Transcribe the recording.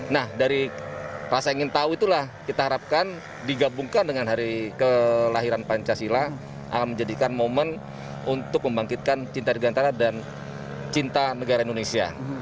nah dari rasa ingin tahu itulah kita harapkan digabungkan dengan hari kelahiran pancasila akan menjadikan momen untuk membangkitkan cinta digantara dan cinta negara indonesia